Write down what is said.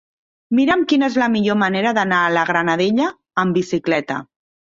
Mira'm quina és la millor manera d'anar a la Granadella amb bicicleta.